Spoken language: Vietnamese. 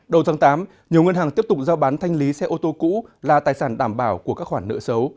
đầu tháng tám nhiều ngân hàng tiếp tục giao bán thanh lý xe ô tô cũ là tài sản đảm bảo của các khoản nợ xấu